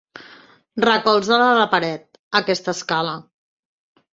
Recolza-la a la paret, aquesta escala.